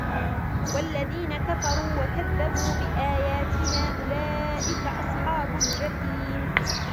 والذين كفروا وكذبوا بآياتنا أولئك أصحاب الجحيم